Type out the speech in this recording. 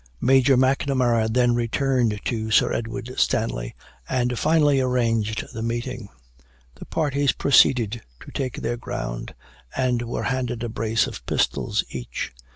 Major M'Namara then returned to Sir Edward Stanley, and finally arranged the meeting. The parties proceeded to take their ground, and were handed a brace of pistols each.